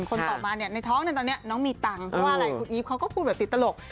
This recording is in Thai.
คนต่อมาเนี่ยในท้องตอนนี้น้องมีตังค์เพราะว่าอะไรคุณอีฟเขาก็พูดแบบติดตลก